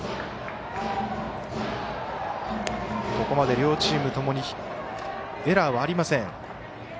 ここまで両チームともにエラーはありません。